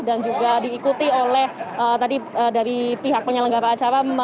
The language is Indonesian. dan juga diikuti oleh tadi dari pihak penyelenggara acara